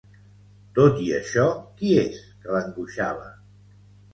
Tot i això, qui és que l'angoixava?